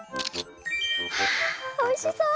はあおいしそう！